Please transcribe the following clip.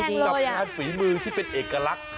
กับงานฝีมือที่เป็นเอกลักษณ์